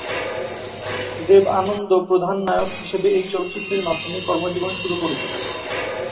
দেব আনন্দ প্রধান নায়ক হিসাবে এই চলচ্চিত্রের মাধ্যমে কর্মজীবন শুরু করেছিলেন।